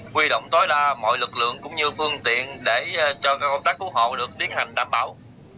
quy động tối đa mọi lực lượng cũng như phương tiện để cho công tác cứu hộ được tiến hành đảm bảo